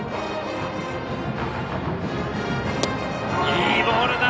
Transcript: いいボールだ。